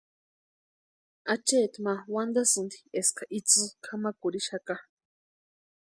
Acheeti ma wantasïnti eska itsï kʼamakurhixaka.